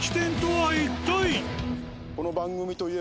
はい。